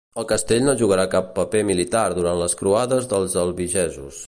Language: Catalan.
El castell no jugarà cap paper militar durant les croades dels Albigesos.